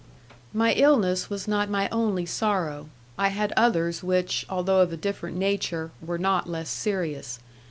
My illness was not my only sorrow; I had others which, although of a different nature, were not less serious.